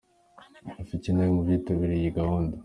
Rafiki nawe ari mu bitabiriye iyi gahunda.